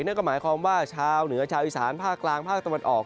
นั่นก็หมายความว่าชาวเหนือชาวอีสานภาคกลางภาคตะวันออก